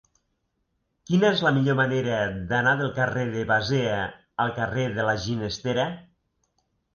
Quina és la millor manera d'anar del carrer de Basea al carrer de la Ginestera?